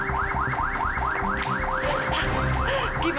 saya akan tercosok dan coba menjadi power